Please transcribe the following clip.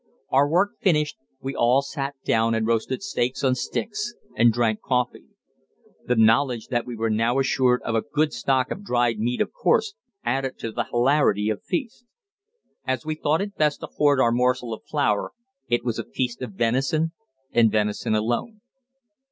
Our work finished, we all sat down and roasted steaks on sticks and drank coffee. The knowledge that we were now assured of a good stock of dried meat, of course, added to the hilarity of feast. As we thought it best to hoard our morsel of flour, it was a feast of venison and venison alone.